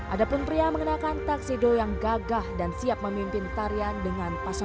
ada pun pria mengenakan taksido yang gagah dan siap memimpin tarian dengan pasangan